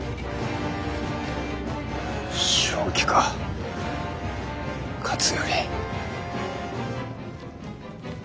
正気か勝頼。